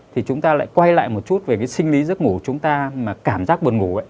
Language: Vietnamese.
thì chúng ta lại quay lại một chút về cái sinh lý giấc ngủ chúng ta mà cảm giác buồn ngủ ấy